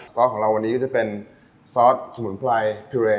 ซอสของเราวันนี้ก็จะเป็นซอสสมุนไพรทุเรน